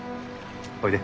おいで。